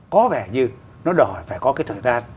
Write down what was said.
có vẻ như nó đòi phải có cái thời gian